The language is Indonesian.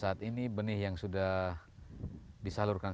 saat ini benih yang sudah disalurkan